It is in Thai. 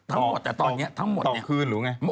ทั้งหมดแต่ตอนนี้ทั้งหมดเนี่ยคืนหรือไง